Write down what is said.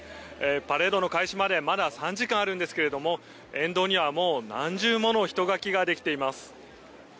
パレードの開始までまだ３時間あるんですが沿道には、もう何重もの人垣ができています。